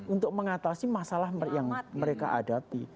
untuk mengatasi masalah yang mereka hadapi